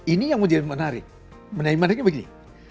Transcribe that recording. ini yang menjadi menarik menariknya begini